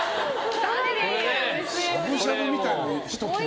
しゃぶしゃぶみたいなひと切れ。